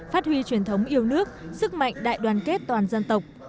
phát huy truyền thống yêu nước sức mạnh đại đoàn kết toàn dân tộc